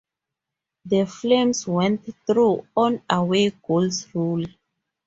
The Flames went through on away goals rule.